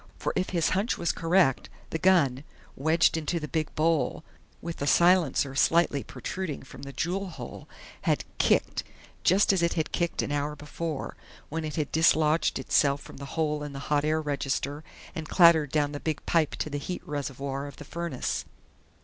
For if his hunch was correct, the gun, wedged into the big bowl, with the silencer slightly protruding from the jewel hole, had "kicked," just as it had kicked an hour before, when it had dislodged itself from the hole in the hot air register and clattered down the big pipe to the heat reservoir of the furnace.